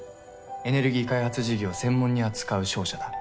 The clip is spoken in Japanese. エネルギー開発事業を専門に扱う商社だ。